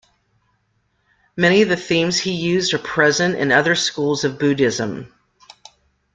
Many of the themes he used are present in other schools of Buddhism.